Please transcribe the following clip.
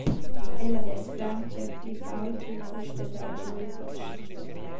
El havess franc gia pli baul giu gust da dar giu il post.